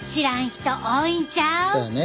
そやね。